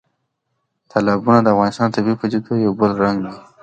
تالابونه د افغانستان د طبیعي پدیدو یو بل رنګ دی.